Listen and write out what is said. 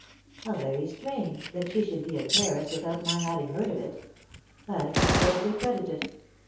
"How very strange that she should be in Paris without my having heard of it! I can scarcely credit it.